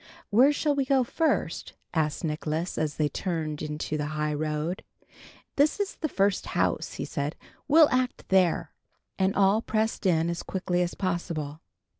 "Where shall we go first?" asked Nicholas, as they turned into the high road. "This is the first house," he said. "We'll act here;" and all pressed in as quickly as possible.